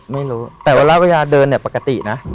ไม่รู้แต่เวลาเวลาเดินปกตินะ